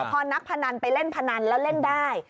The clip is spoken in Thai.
พอนักพนันไปเล่นพนันแล้วเล่นได้